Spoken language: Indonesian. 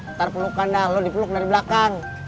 ntar pelukan dah lo dipeluk dari belakang